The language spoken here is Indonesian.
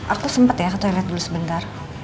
aku sempat ya ke toilet dulu sebentar